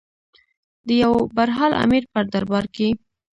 د یو برحال امیر په دربار کې.